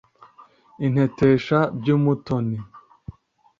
intetesha by’umutoni